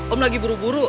om lagi buru buru